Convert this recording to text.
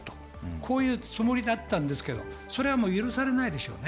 そういうつもりだったんですけど、それは許されないでしょうね。